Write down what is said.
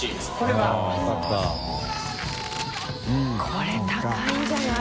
これ高いんじゃない？